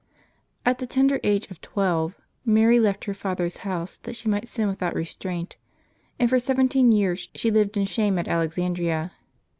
aT the tender age of twelve, Mary left her father's house that she might sin without restraint, and for seventeen years she lived in shame at Alexandria.